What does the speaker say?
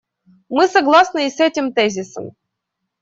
Мы согласны и с этим тезисом.